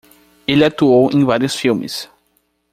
Ele atuou em vários filmes.